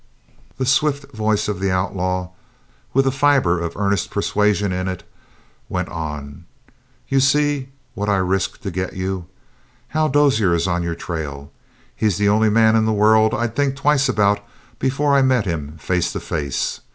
The swift voice of the outlaw, with a fiber of earnest persuasion in it, went on: "You see what I risk to get you. Hal Dozier is on your trail. He's the only man in the world I'd think twice about before I met him face to face.